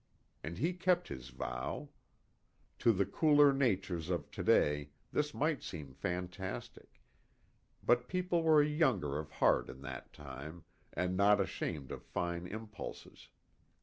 And he kept his vow. To the cooler natures of to day this might seem fantastic ; but people were younger of heart in that time and not ashamed of fine impulses.